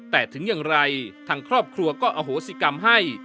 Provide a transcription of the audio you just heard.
แต่ถึงอย่างไรทางครอบครัวก็อโหสิกรรมให้